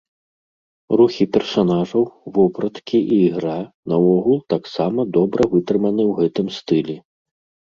Рухі персанажаў, вопраткі і ігра наогул таксама добра вытрыманы ў гэтым стылі.